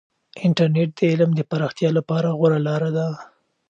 انټرنیټ د علم د پراختیا لپاره غوره لاره ده.